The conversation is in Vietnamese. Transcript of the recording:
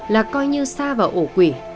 là coi như xa vào ổ quỷ